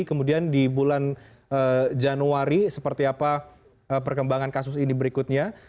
kemudian di bulan januari seperti apa perkembangan kasus ini berikutnya